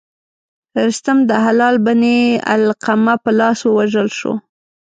رستم د هلال بن علقمه په لاس ووژل شو.